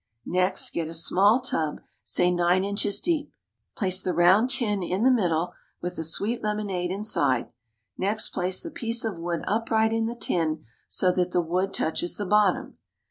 Next get a small tub, say nine inches deep, place the round tin in the middle, with the sweet lemonade inside; next place the piece of wood upright in the tin, so that the wood touches the bottom.